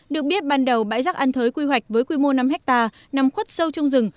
được biết ban đầu bãi rác an thới quy hoạch với quy mô năm hectare nằm khuất sâu trong rừng